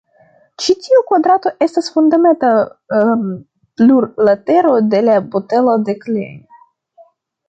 Ĉi tiu kvadrato estas fundamenta plurlatero de la botelo de Klein.